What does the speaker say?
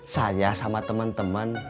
saya sama temen temen